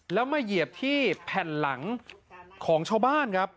แล้วมาเหยียบที่แผ่นหลังของชาวบ้านครับ